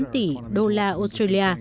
chín tám tỷ usd